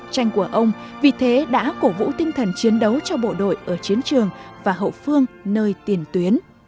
tranh của ông vì thế đã cổ vũ tinh thần chiến đấu cho bộ đội ở chiến trường và hậu phương nơi tiền tuyến